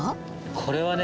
これはね